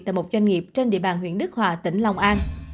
tại một doanh nghiệp trên địa bàn huyện đức hòa tỉnh long an